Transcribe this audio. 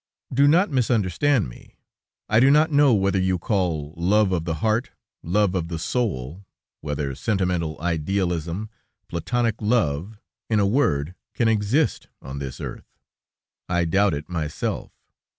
Do not misunderstand me. I do not know whether you call love of the heart, love of the soul, whether sentimental idealism, Platonic love, in a word, can exist on this earth; I doubt it, myself.